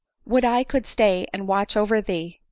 " Would I could stay and watch over thee